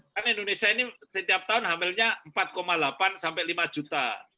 kan indonesia ini setiap tahun hamilnya empat delapan sampai lima juta